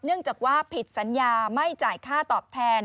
เนื่องจากว่าผิดสัญญาไม่จ่ายค่าตอบแทน